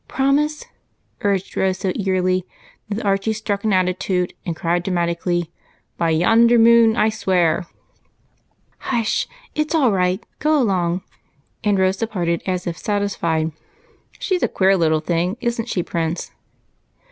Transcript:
Promise," urged Rose, so eagerly that Archie struck an attitude, and cried dramati cally, —" By yonder moon I swear !"" Hush ! it 's all right, go along ;" and Rose departed as if satisfied. " Slie's a queer little thing, is n't she. Prince